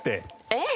えっ？